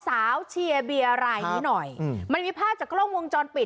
เชียร์เบียร์รายนี้หน่อยอืมมันมีภาพจากกล้องวงจรปิด